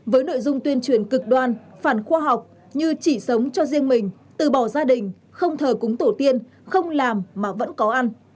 với nội dung tuyên truyền cực đoan phản khoa học như chỉ sống cho riêng mình từ bỏ gia đình không thờ cúng tổ tiên không làm mà vẫn có ăn